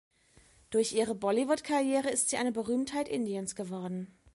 Durch ihre Bollywood-Karriere ist sie eine Berühmtheit Indiens geworden.